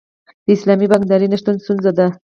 د اسلامي بانکدارۍ نشتون ستونزه ده.